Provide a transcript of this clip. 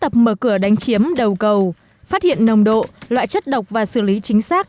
tập mở cửa đánh chiếm đầu cầu phát hiện nồng độ loại chất độc và xử lý chính xác